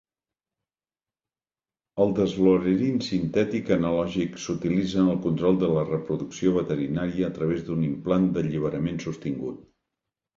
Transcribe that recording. El Deslorelin sintètic analògic s'utilitza en el control de la reproducció veterinària a través d'un implant d'alliberament sostingut.